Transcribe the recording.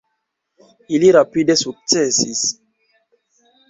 Ili rapide sukcesis.